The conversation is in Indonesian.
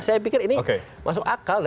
saya pikir ini masuk akal